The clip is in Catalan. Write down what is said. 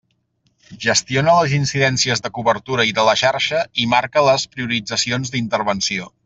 Gestiona les incidències de cobertura i de la xarxa i marca les prioritzacions d'intervenció.